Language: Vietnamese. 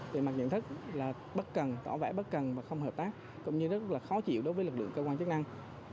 về mặt nhận thức là bất cần tỏ vẻ bất cần và không hợp tác cũng như rất là khó chịu đối với lực lượng cơ quan chức năng